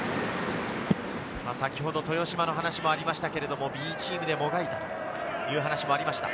先ほど豊嶋の話もありましたが、Ｂチームでもがいたという話もありました、